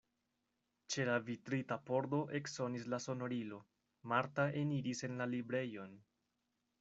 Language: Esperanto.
Ĉe la vitrita pordo eksonis la sonorilo, Marta eniris en la librejon.